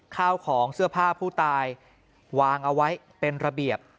ข้าวของเสื้อผ้าผู้ตายวางเอาไว้เป็นระเบียบ